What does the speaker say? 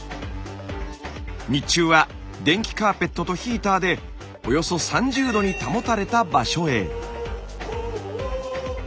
日中は電気カーペットとヒーターでおよそ３０℃に保たれた場所へ。